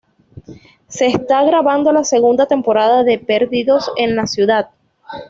Se está grabando la segunda temporada de "Perdidos en la ciudad".